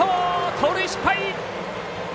盗塁失敗。